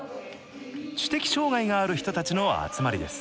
知的障害がある人たちの集まりです。